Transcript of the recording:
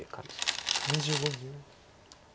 ２５秒。